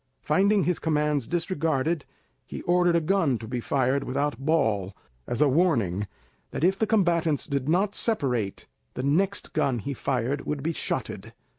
Finding his commands disregarded, he ordered a gun to be fired without ball, as a warning that if the combatants did not separate, the next gun he fired would be shotted.